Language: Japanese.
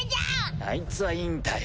あいつはいいんだよ。